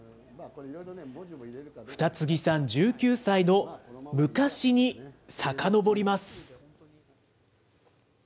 二木さん１９歳の昔にさかのぼります。